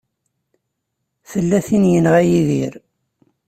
Tella tin i yenɣa Yidir.